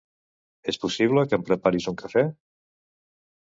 És possible que em preparis un cafè?